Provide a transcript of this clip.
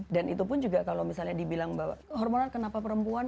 dan itu pun juga kalau misalnya dibilang bahwa hormonal kenapa perempuan